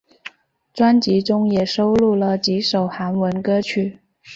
专辑中也收录了几首韩版歌曲。